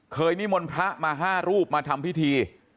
นิมนต์พระมา๕รูปมาทำพิธี